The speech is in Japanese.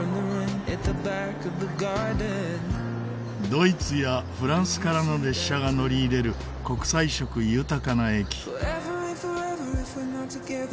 ドイツやフランスからの列車が乗り入れる国際色豊かな駅。